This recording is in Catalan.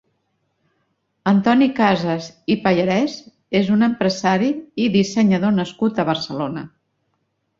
Antoni Cases i Pallarès és un empresari i dissenyador nascut a Barcelona.